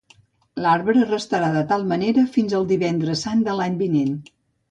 L'arbre restarà de tal manera fins al Divendres Sant de l'any vinent.